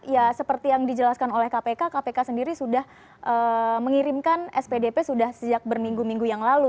ya seperti yang dijelaskan oleh kpk kpk sendiri sudah mengirimkan spdp sudah sejak berminggu minggu yang lalu